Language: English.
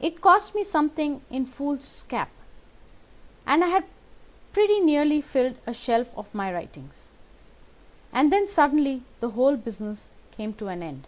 It cost me something in foolscap, and I had pretty nearly filled a shelf with my writings. And then suddenly the whole business came to an end."